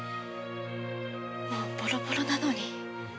もうボロボロなのに。